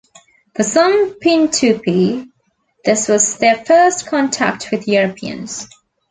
For some Pintupi, this was their first contact with Europeans.